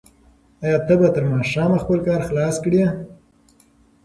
آیا ته به تر ماښامه خپل کار خلاص کړې؟